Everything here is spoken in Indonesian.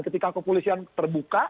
ketika kepolisian terbuka